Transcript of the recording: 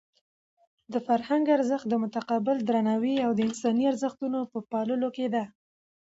د فرهنګ ارزښت د متقابل درناوي او د انساني ارزښتونو په پاللو کې دی.